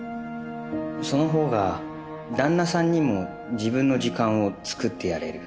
その方が旦那さんにも自分の時間をつくってやれる